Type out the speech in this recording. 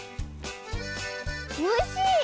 おいしい！